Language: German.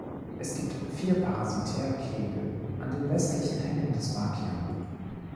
Es gibt vier Parasitärkegel an den westlichen Hängen des Makian.